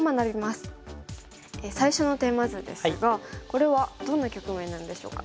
最初のテーマ図ですがこれはどんな局面なんでしょうか？